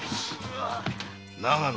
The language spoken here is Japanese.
長野。